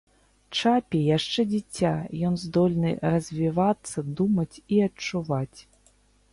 Чапі яшчэ дзіця, ён здольны развівацца, думаць і адчуваць.